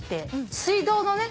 水道のね